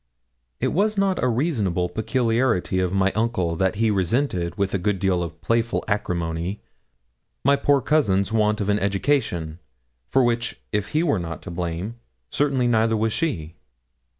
It was not a reasonable peculiarity of my uncle that he resented, with a good deal of playful acrimony, my poor cousin's want of education, for which, if he were not to blame, certainly neither was she.